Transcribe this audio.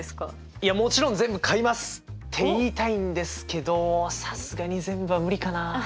いやもちろん全部買いますって言いたいんですけどさすがに全部は無理かな。